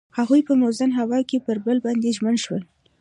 هغوی په موزون هوا کې پر بل باندې ژمن شول.